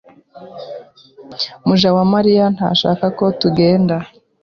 Mujawamariya ntashaka ko tugenda.